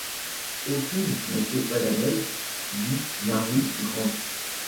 Aucune, monsieur Paganel, dit Mary Grant.